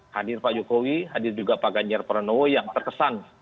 hadir pak jokowi hadir juga pak ganjar pranowo yang terkesan